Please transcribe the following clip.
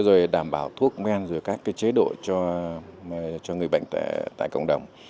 rồi đảm bảo thuốc men rồi các cái chế độ cho người bệnh tại cộng đồng